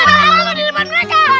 kamu mau di depan mereka